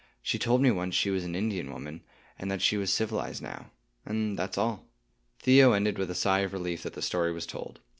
She told me once she was an Indian woman, and that she was civilized now,—and that's all." Theo ended with a sigh of relief that the story was told.